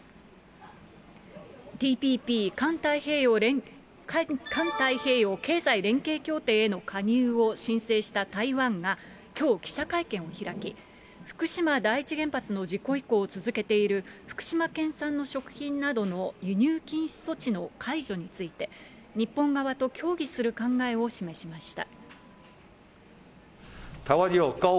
ＴＰＰ・環太平洋経済連携協定への加入を申請した台湾が、きょう記者会見を開き、福島第一原発の事故以降続けている、福島県産の食品などの輸入禁止措置の解除について、日本側と協議する考えを示しました。